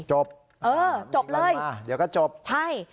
จบเออจบเลยอ่าเดี๋ยวก็จบใช่